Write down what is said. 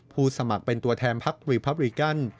ผู้สมัครเป็นตัวแทนภัคดิ์รีพับริกัน